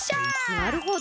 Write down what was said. なるほど。